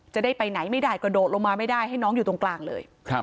จะได้ไปไหนไม่ได้กระโดดลงมาไม่ได้ให้น้องอยู่ตรงกลางเลย